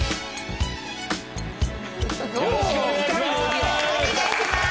よろしくお願いします。